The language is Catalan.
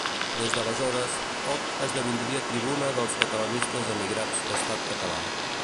Des d'aleshores, Oc esdevindria tribuna dels catalanistes emigrats d’Estat Català.